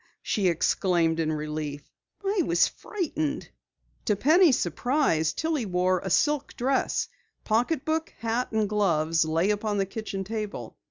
she exclaimed in relief. "I was frightened." To Penny's surprise Tillie wore a silk dress. Pocketbook, hat and gloves lay upon the kitchen table.